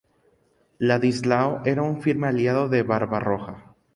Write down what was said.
Ladislao era un firme aliado de Barbarroja.